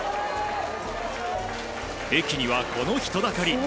駅には、この人だかり。